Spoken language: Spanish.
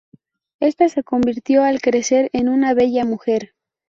Esta se convirtió al crecer en una bella mujer.